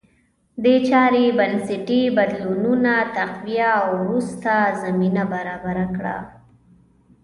دې چارې بنسټي بدلونونه تقویه او وروسته زمینه برابره کړه